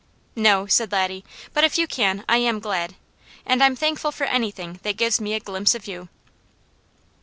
"No," said Laddie. "But if you can, I am glad, and I'm thankful for anything that gives me a glimpse of you."